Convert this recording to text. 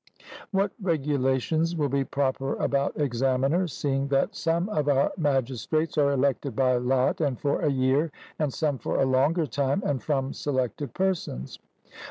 What regulations will be proper about examiners, seeing that some of our magistrates are elected by lot, and for a year, and some for a longer time and from selected persons?